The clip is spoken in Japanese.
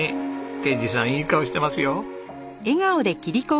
啓二さんいい顔してますよ。